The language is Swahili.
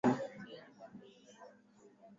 Mwaka elfu mbili mpaka mwaka elfu mbili na tano